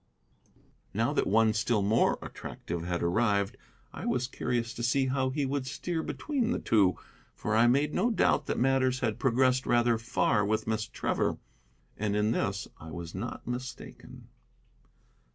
Now that one still more attractive had arrived I was curious to see how he would steer between the two, for I made no doubt that matters had progressed rather far with Miss Trevor. And in this I was not mistaken.